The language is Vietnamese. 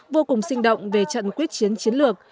vô cùng sinh động về trận quyết chiến chiến lược